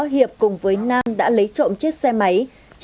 hiệp cùng với nam đã lấy trộm chiếc xe máy